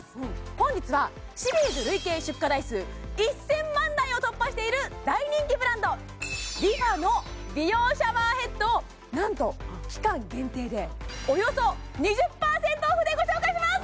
本日はシリーズ累計出荷台数１０００万台を突破している大人気ブランドＲｅＦａの美容シャワーヘッドを何と期間限定でおよそ２０％オフでご紹介します